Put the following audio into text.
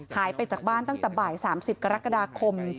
หายไปจากบ้านตั้งแต่บ่าย๓๐กรกฎาคม